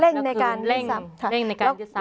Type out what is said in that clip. แล้วคือเร่งในการยึดทรัพย์